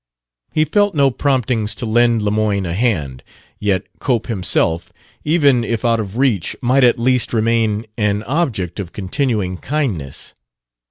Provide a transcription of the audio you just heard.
'" He felt no promptings to lend Lemoyne a hand; yet Cope himself, even if out of reach, might at least remain an object of continuing kindness.